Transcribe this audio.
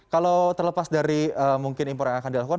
kalau terlepas dari mungkin impor yang akan dilakukan